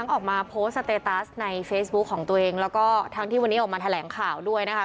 ออกมาโพสต์สเตตัสในเฟซบุ๊คของตัวเองแล้วก็ทั้งที่วันนี้ออกมาแถลงข่าวด้วยนะคะ